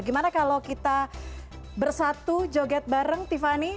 gimana kalau kita bersatu joget bareng tiffany